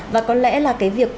và có lẽ là cái việc